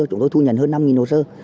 chúng tôi thu nhận hơn năm hồ sơ